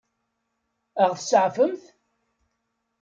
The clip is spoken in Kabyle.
Ad ɣ-tseɛfemt?